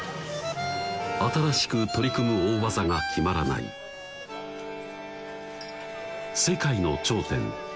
新しく取り組む大技が決まらない世界の頂点